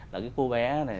là cái cô bé